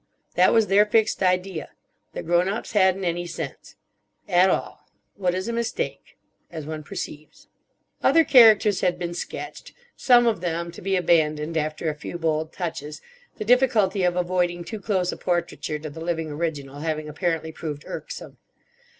That was their fixed idea. That grown ups hadn't any sense. At all. What is a mistake. As one perceives." Other characters had been sketched, some of them to be abandoned after a few bold touches: the difficulty of avoiding too close a portraiture to the living original having apparently proved irksome.